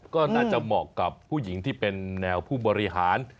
ก็น่าจะเหมาะกับผู้หญิงที่เป็นแนวผู้บริหาร